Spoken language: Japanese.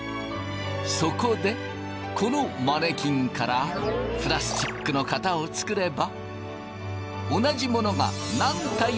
そこでこのマネキンからプラスチックの型を作れば。